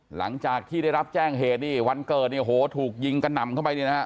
หลังจากที่ได้รับแจ้งเหตุนี่วันเกิดเนี่ยโหถูกยิงกระหน่ำเข้าไปเนี่ยนะฮะ